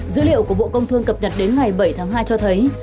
dữ liệu của bộ công thương cập nhật đến ngày bảy tháng hai cho thấy